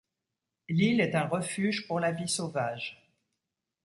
L'île est un refuge pour la vie sauvage.